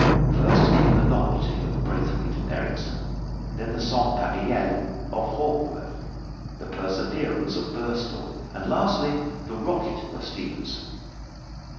First came the "Novelty" of Braithwaite and Ericson; then the "Sans pareil" of Hawkworth; the "Perseverance" of Burstall; and, lastly, the "Rocket" of Stephenson.